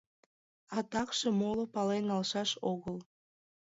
А такше моло пален налшаш огыл.